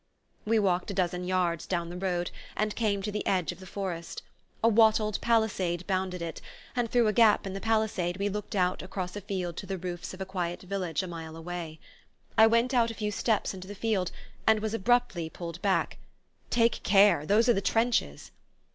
We walked a dozen yards down the road and came to the edge of the forest. A wattled palisade bounded it, and through a gap in the palisade we looked out across a field to the roofs of a quiet village a mile away. I went out a few steps into the field and was abruptly pulled back. "Take care those are the trenches!"